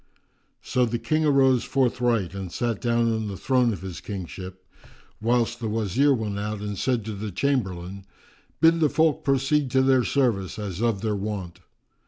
So the King arose forthright and sat down on the throne of his kingship, whilst the Wazir went out and said to the Chamberlain, "Bid the folk proceed to their service, as of their wont."